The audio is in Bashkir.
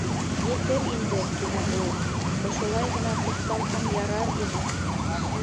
—Етер инде, —тине ул. —Ошолай ғына туҡталһам ярар ине.